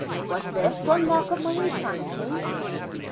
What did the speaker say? Was this one mark of my insanity